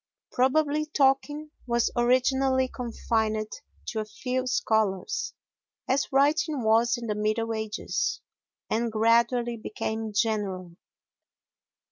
Probably talking was originally confined to a few scholars, as writing was in the middle ages, and gradually became general.